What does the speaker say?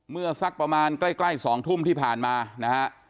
สักประมาณใกล้๒ทุ่มที่ผ่านมานะฮะ